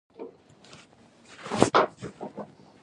محصل باید د نصاب په عملي کولو لاسته راوړنې ولري.